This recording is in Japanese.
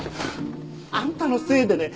あんたのせいでね